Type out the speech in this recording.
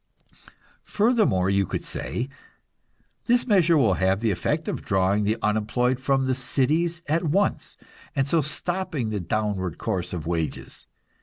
Furthermore, you could say, "This measure will have the effect of drawing the unemployed from the cities at once, and so stopping the downward course of wages.